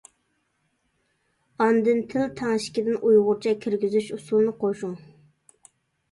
ئاندىن تىل تەڭشىكىدىن ئۇيغۇرچە كىرگۈزۈش ئۇسۇلىنى قوشۇڭ.